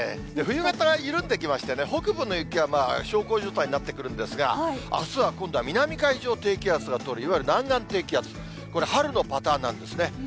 冬型が緩んできましてね、北部の雪は小康状態になってくるんですが、あすは今度は南海上を低気圧が通る、いわゆる南岸低気圧、これ、春のパターンなんですね。